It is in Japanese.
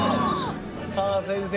さあ先生